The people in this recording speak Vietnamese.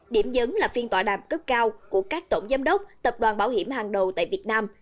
điểm nhấn là phiên tòa đàm cấp cao của các tổng giám đốc tập đoàn bảo hiểm hàng đầu tại việt nam